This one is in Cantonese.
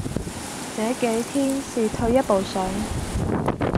這幾天是退一步想：